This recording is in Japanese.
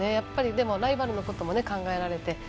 でも、ライバルのことも考えられて。